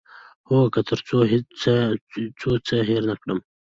هو، که تر څو څه هیر نه کړم